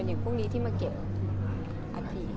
อย่างพวกนี้ที่มาเก็บอาทิตย์